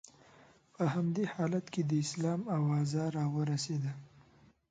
په همدې حالت کې د اسلام اوازه را ورسېده.